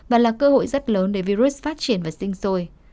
và là cơ hội rất lớn để virus phát triển và sinh sôi